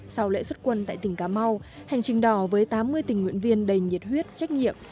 sau lễ xuất quân tại tỉnh cà mau hành trình đỏ với tám mươi tình nguyện viên đầy nhiệt huyết trách nhiệm